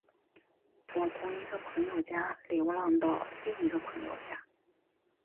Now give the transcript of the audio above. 我从一个朋友家流浪到另一个朋友家。